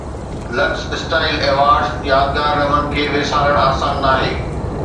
Luxe Style Awards يادگار لمحن کي وسارڻ آسان ناهي